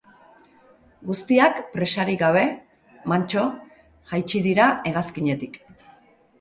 Guztiak presarik gabe, mantso, jaitsi dira hegazkinetik.